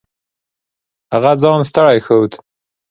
هغه ځان ستړی ښود.